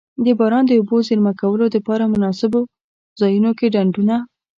د باران د اوبو د زیرمه کولو دپاره مناسب ځایونو کی ډنډونه.